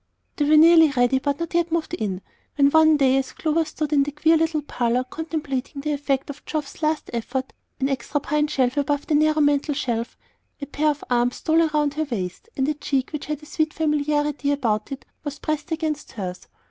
They were nearly ready, but not yet moved in, when one day as Clover stood in the queer little parlor, contemplating the effect of Geoff's last effort, an extra pine shelf above the narrow mantel shelf, a pair of arms stole round her waist, and a cheek which had a sweet familiarity about it was pressed against hers.